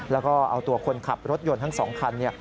แล้วก็เอาตัวคนขับรถยนต์ทั้ง๒คัน